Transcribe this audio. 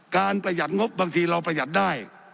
ประหยัดงบบางทีเราประหยัดได้